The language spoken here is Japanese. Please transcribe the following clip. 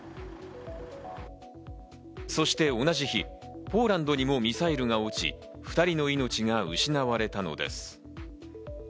そして同じ日、ポーランドにもミサイルが落ち、２人の命が失われたのです。